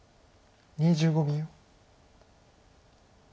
２５秒。